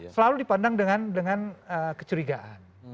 selalu dipandang dengan kecurigaan